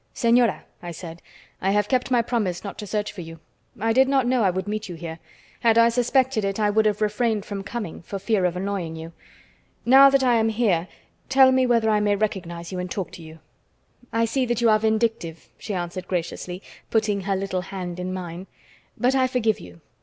"Señora," I said, "I have kept my promise not to search for you. I did not know I would meet you here. Had I suspected it I would have refrained from coming, for fear of annoying you. Now that I am here, tell me whether I may recognize you and talk to you." "I see that you are vindictive," she answered graciously, putting her little hand in mine. "But I forgive you.